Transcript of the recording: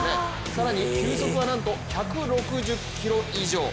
更に、急速はなんと１６０キロ以上。